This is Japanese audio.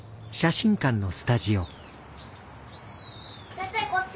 先生こっち！